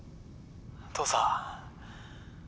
「父さん」